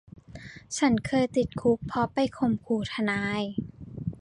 ฉันเคยติดคุกเพราะไปข่มขู่ทนาย